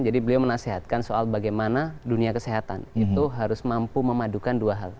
jadi beliau menasehatkan soal bagaimana dunia kesehatan itu harus mampu memadukan dua hal